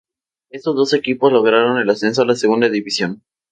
Estos dos equipos lograron el ascenso a la Segunda División.